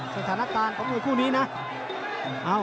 สถานการณ์ของมวยคู่นี้นะ